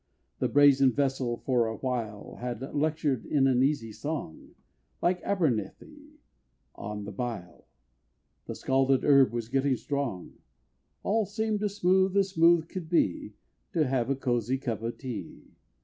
The brazen vessel for awhile Had lectured in an easy song, Like Abernethy, on the bile The scalded herb was getting strong; All seemed as smooth as smooth could be, To have a cosy cup of tea.